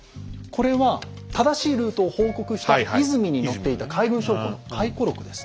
これは正しいルートを報告した「和泉」に乗っていた海軍将校の回顧録です。